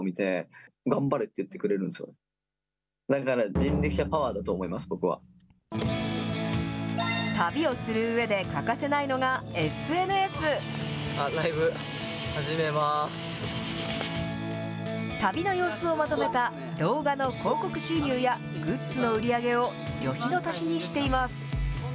人力車パワーだと思います、旅をするうえで欠かせないの旅の様子をまとめた動画の広告収入や、グッズの売り上げを旅費の足しにしています。